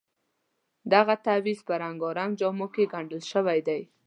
دغه تعویض په رنګارنګ جامو کې ګنډل شوی دی.